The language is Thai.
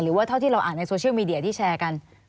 หรือว่าเท่าที่เราอ่านในโซเชียลมีเดียที่แชร์กัน